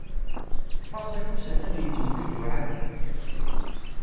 Ṭṭef-as afus atan yettemdudduɛ akk.